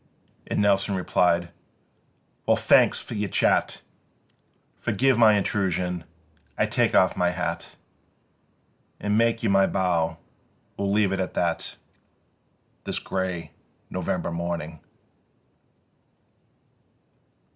And Nelson replied: "Well, thanks f' your chat. Forgive my intrusion! I take off my hat And make you my bow ... we'll leave it at that, This grey November morning."